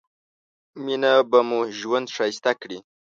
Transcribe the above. مينه به مو ژوند ښايسته کړي